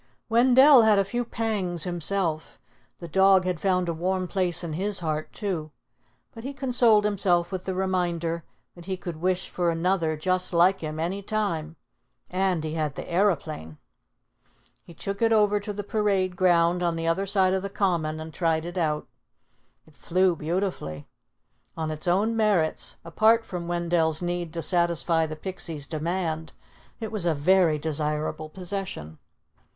Wendell had a few pangs himself. The dog had found a warm place in his heart too. But he consoled himself with the reminder that he could wish for another just like him any time. And he had the aeroplane. He took it over to the parade ground on the other side of the Common, and tried it out. It flew beautifully. On its own merits, apart from Wendell's need to satisfy the Pixie's demand, it was a very desirable possession.